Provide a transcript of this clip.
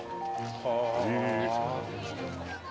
はあ！